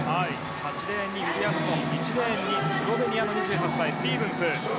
８レーンにウィリアムソン１レーンにスロベニアの２８歳スティーブンスです。